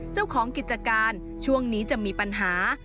เจ้าของกิจการช่วงนี้จะมีปัญหา